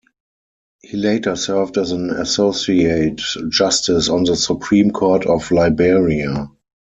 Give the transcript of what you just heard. He later served as an Associate Justice on the Supreme Court of Liberia.